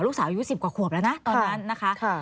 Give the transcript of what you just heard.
ลูกสาวยูสิบกว่าขวบแล้วนะตอนนั้นนะคะ